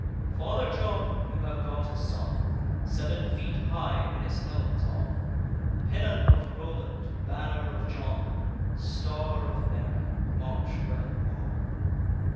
Father John, you have got a son, Seven feet high when his helm is on Pennon of Roland, banner of John, Star of Mary, march well on.